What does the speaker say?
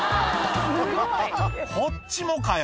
こっちもかよ